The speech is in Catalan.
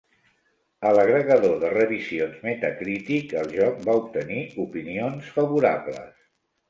A l'agregador de revisions Metacritic, el joc va obtenir opinions "favorables".